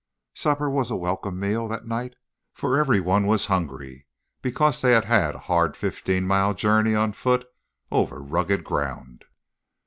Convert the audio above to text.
Supper was a welcome meal that night, for everyone was hungry because they had had a hard fifteen mile journey on foot over rugged ground.